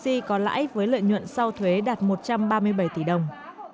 wincommerce có lãi với lợi nhuận sau thuế đạt một trăm ba mươi bảy tỷ đồng